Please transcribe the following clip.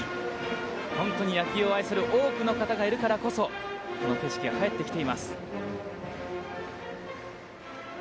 本当に野球を愛する多くの方がいるからこそ、この景色が帰ってきています。